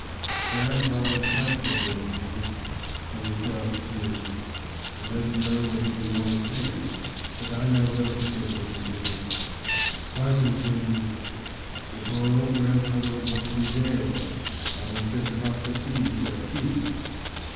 'Grandfather's quite simple,' he said, 'and he's dark, too, and doesn't know what any one is saying. But I know thee'lt be good to him, Stephen. Hearken, children: your poor old grandfather was once in jail, and was sent across the seas, for a thief.'